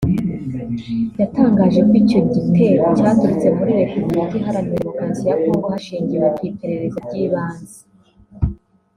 yatangaje ko icyo gitero cyaturutse muri Repubulika Iharanira Demokarasi ya Congo hashingiwe ku iperereza ry’ibanze